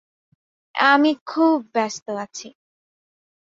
আমি খুব ব্যস্থ আছি।